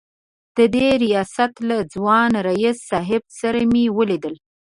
د دې ریاست له ځوان رییس صیب سره مې ولیدل.